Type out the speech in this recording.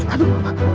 aduh pak mai